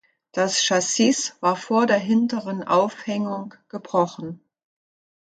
Das Chassis war vor der hinteren Aufhängung gebrochen.